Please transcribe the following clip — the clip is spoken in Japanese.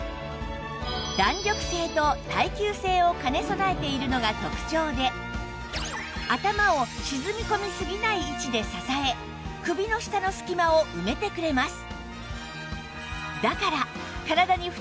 弾力性と耐久性を兼ね備えているのが特長で頭を沈み込みすぎない位置で支え首の下の隙間を埋めてくれます